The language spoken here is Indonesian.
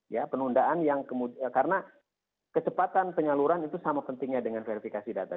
ya penundaan yang kemudian karena kecepatan penyaluran itu sama pentingnya dengan verifikasi data